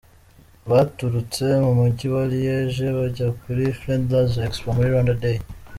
Baturutse mu Mujyi wa Liège bajya kuri Flanders Expo muri Rwanda Day.